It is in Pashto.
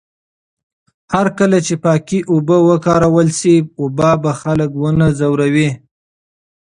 هرکله چې پاکې اوبه وکارول شي، وبا به خلک ونه ځوروي.